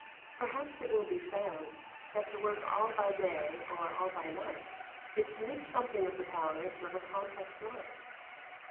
Perhaps it will be found that to work all by day or all by night is to miss something of the powers of a complex mind.